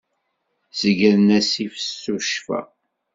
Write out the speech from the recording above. Zeggren assif s tuccfa.